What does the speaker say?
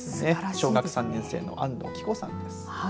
小学３年生の安藤希子さんです。